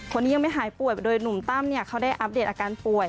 ยังไม่หายป่วยโดยหนุ่มตั้มเขาได้อัปเดตอาการป่วย